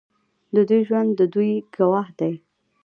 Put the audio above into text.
د دوی ژوند د دوی ګواه دی.